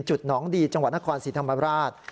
จุดหนองดีจังหวัดนครสิทธิ์ธรรมราช